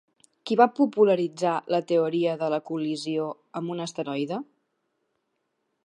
Qui va popularitzar la teoria de la col·lisió amb un asteroide?